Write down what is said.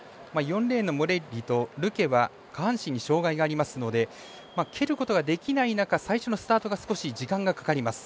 ４レーンのモレッリとルケは下半身に障がいがありますので蹴ることができない中最初のスタートが少し時間がかかります。